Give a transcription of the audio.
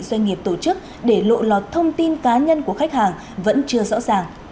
doanh nghiệp tổ chức để lộ lọt thông tin cá nhân của khách hàng vẫn chưa rõ ràng